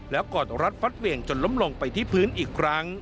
แล้วกอดรัดฟัดเหวี่ยงจนล้มลงไปที่พื้นอีกครั้ง